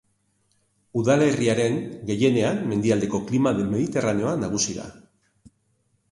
Udalerriaren gehienean mendialdeko klima mediterraneoa nagusi da.